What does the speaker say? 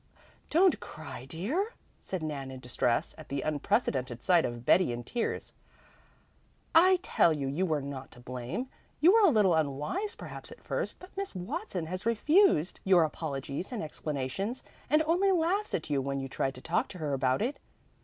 "Don't cry, dear," said Nan in distress, at the unprecedented sight of Betty in tears. "I tell you, you were not to blame. You were a little unwise perhaps at first, but Miss Watson has refused your apologies and explanations and only laughs at you when you try to talk to her about it.